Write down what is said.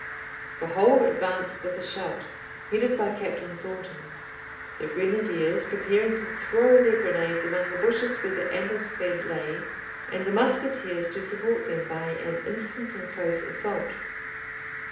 The whole advanced with a shout, headed by Captain Thornton, the grenadiers preparing to throw their grenades among the bushes where the ambuscade lay, and the musketeers to support them by an instant and close assault.